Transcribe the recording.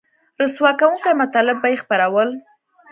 رسوا کوونکي مطالب به یې خپرول